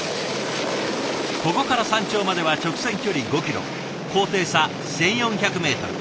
ここから山頂までは直線距離５ｋｍ高低差１，４００ｍ。